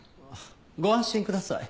ご安心ください。